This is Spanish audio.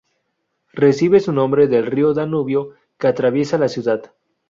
Recibe su nombre del río Danubio que atraviesa la ciudad.